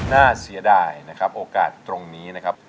น่าเสียดายนะครับโอกาสตรงนี้นะครับ